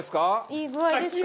いい具合ですかね。